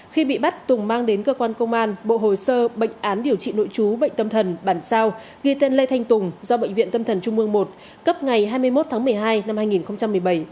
khi bị bắt tùng mang đến cơ quan công an bộ hồ sơ bệnh án điều trị nội chú bệnh tâm thần bản sao ghi tên lê thanh tùng do bệnh viện tâm thần trung mương một cấp ngày hai mươi một tháng một mươi hai năm hai nghìn một mươi bảy